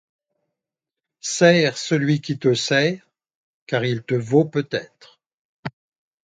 Sers celui qui te sert, car il te vaut peut-être ;